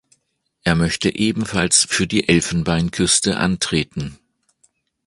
Er möchte ebenfalls für die Elfenbeinküste antreten.